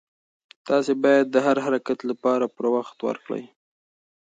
تاسي باید د هر حرکت لپاره پوره وخت ورکړئ.